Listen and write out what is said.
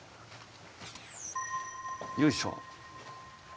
よいしょ。